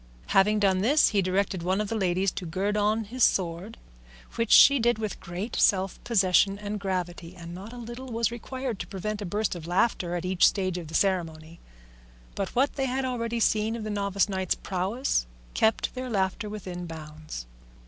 Having done this, he directed one of the ladies to gird on his sword, which she did with great self possession and gravity, and not a little was required to prevent a burst of laughter at each stage of the ceremony; but what they had already seen of the novice knight's prowess kept their laughter within bounds.